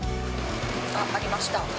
あっ、ありました。